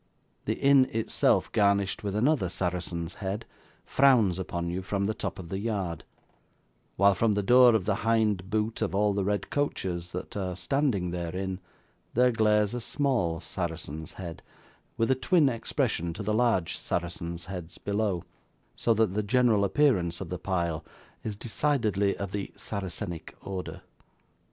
The inn itself garnished with another Saracen's Head, frowns upon you from the top of the yard; while from the door of the hind boot of all the red coaches that are standing therein, there glares a small Saracen's Head, with a twin expression to the large Saracens' Heads below, so that the general appearance of the pile is decidedly of the Saracenic order.